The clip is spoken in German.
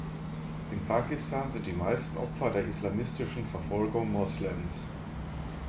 In Pakistan sind die meisten Opfer der islamistischen Verfolgung Moslems.